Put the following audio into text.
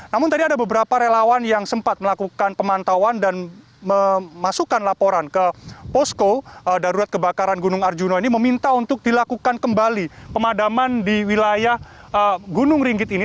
namun tadi ada beberapa relawan yang sempat melakukan pemantauan dan memasukkan laporan ke posko darurat kebakaran gunung arjuna ini meminta untuk dilakukan kembali pemadaman di wilayah gunung ringgit ini